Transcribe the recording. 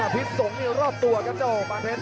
พิษสงมีรอบตัวครับเจ้าบางเพชร